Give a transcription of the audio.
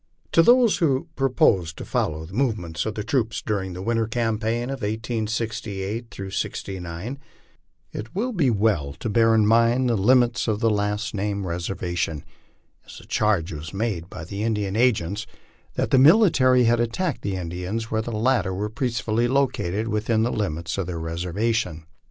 To those who propose to follow the movements of the troops during the winter campaign of 1868 '69, it will be well to bear in mind the limits of tha 104 LIFE ON THE PLAINS. last named reservation, as the charge was made by the Indian agents that the military had attacked the Indians when the latter were peacefully located with in the limits of their reservation.